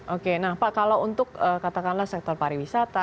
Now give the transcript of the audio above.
oke nah pak kalau untuk katakanlah sektor pariwisata